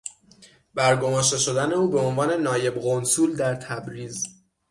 برگماشته شدن او به عنوان نایب قنسول در تبریز